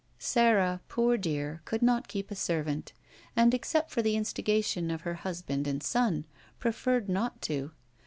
Sara, poor dear, could not keep a servant, and, except for the instigation of her htisband and son, preferred not to.